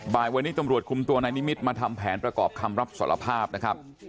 บ่ายวันนี้ตำรวจคุมตัวนายนิมิตรมาทำแผนประกอบคำรับสารภาพนะครับ